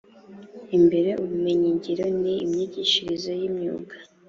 imbere ubumenyingiro n imyigishirize y imyuga